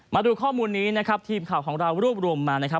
มาดูข้อมูลนี้นะครับทีมข่าวของเรารวบรวมมานะครับ